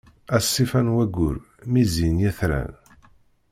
A ṣṣifa n wayyur, mi zzin yetran.